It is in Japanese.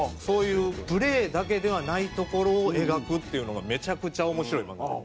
そういうプレーだけではないところを描くっていうのがめちゃくちゃ面白い漫画。